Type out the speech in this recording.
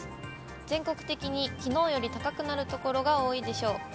全国的にきのうより高くなる所が多いでしょう。